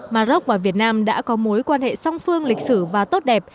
maroc và việt nam đã có mối quan hệ song phương lịch sử và tốt đẹp